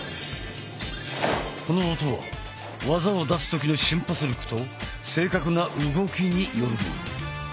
この音は技を出す時の瞬発力と正確な動きによるもの。